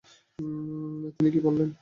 তিনি কী বললেন?